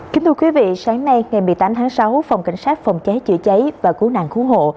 kính thưa quý vị sáng nay ngày một mươi tám tháng sáu phòng cảnh sát phòng cháy chữa cháy và cứu nạn cứu hộ